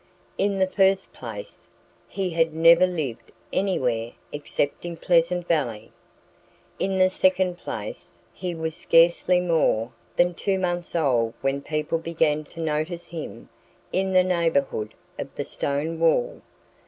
In the first place, he had never lived anywhere except in Pleasant Valley. In the second place, he was scarcely more than two months old when people began to notice him in the neighborhood of the stone wall.